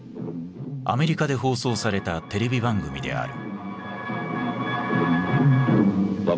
アメリカで放送されたテレビ番組である。